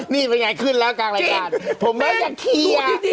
นี่เป็นยังไงขึ้นแล้วกลางรายการ